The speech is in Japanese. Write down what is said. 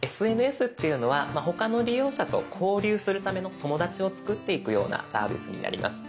ＳＮＳっていうのは他の利用者と交流するための友だちを作っていくようなサービスになります。